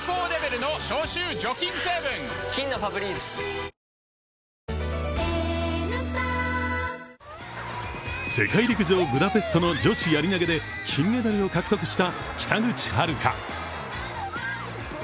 サントリー「金麦」世界陸上ブダペストの女子やり投で金メダルを獲得した北口榛花。